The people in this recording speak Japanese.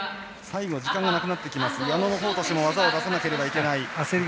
最後時間がなくなってきますと矢野の方としても技を出さなければいけない。